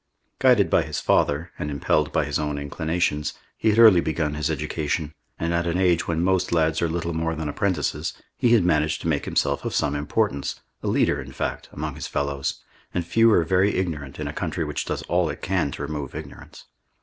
Guided by his father, and impelled by his own inclinations, he had early begun his education, and at an age when most lads are little more than apprentices, he had managed to make himself of some importance, a leader, in fact, among his fellows, and few are very ignorant in a country which does all it can to remove ignorance.